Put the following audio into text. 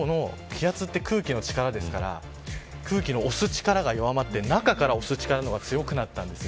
気圧って空気の力ですから空気の押す力が弱まって中から押す力の方が強くなったんです。